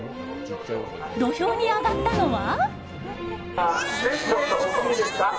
土俵に上がったのは。